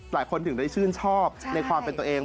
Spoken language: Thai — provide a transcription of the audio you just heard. ถึงได้ชื่นชอบในความเป็นตัวเอง